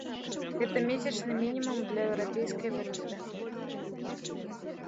Гэта месячны мінімум для еўрапейскай валюты.